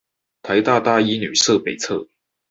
臺大大一女舍北側